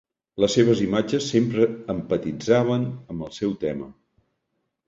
Les seves imatges sempre empatitzaven amb el seu tema.